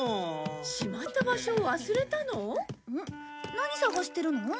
何探してるの？